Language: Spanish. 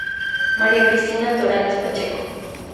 María Cristina Torales Pacheco.